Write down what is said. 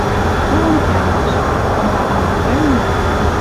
Ылын кӓнгӹж. Кымда алык вӹлнӹ —